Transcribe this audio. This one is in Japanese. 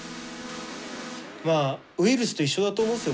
まあウイルスと一緒だと思うんですよ